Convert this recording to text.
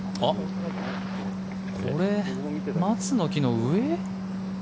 これ、松の木の上？